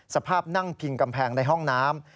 สภาพนั่งพิงกำแพงในห้องน้ำ